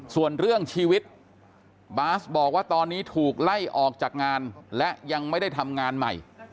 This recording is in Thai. ส่วนเรื่องชีวิตบาสบอกว่าตอนนี้ถูกไล่ออกจากงานและยังไม่ได้ทำงานใหม่